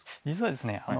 実はですね